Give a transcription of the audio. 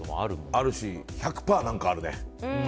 あるし、１００％何かあるね。